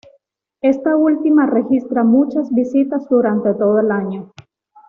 Esta última registra muchas visitas durante todo el año.